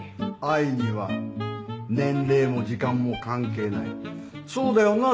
愛には年齢も時間も関係ないそうだよな